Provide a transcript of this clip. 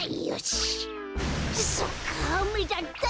そっかあめだった！